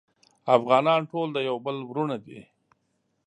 افغانان ټول د یو بل وروڼه دی